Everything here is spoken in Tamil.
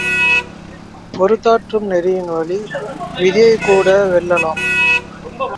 பொறுத்தாற்றும் நெறியின் வழி, விதியைக் கூட வெல்லலாம்.